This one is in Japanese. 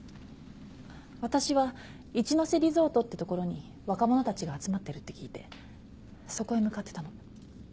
私は一ノ瀬リゾートって所に若者たちが集まってるって聞いてそこへ向かってたの。